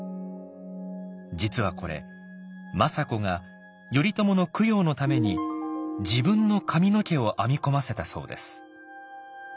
実はこれ政子が頼朝の供養のために自分の髪の毛を編み込ませたそうです。